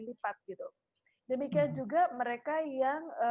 lipat gitu demikian juga mereka yang